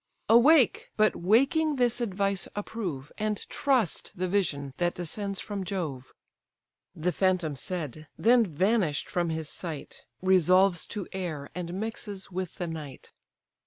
Awake, but waking this advice approve, And trust the vision that descends from Jove." The phantom said; then vanish'd from his sight, Resolves to air, and mixes with the night.